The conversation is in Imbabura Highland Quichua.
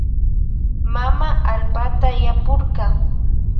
Mama allpata yapurka